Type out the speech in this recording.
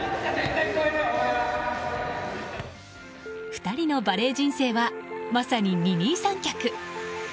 ２人のバレー人生はまさに二人三脚。